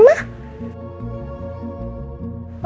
om baik bagi bagi makanan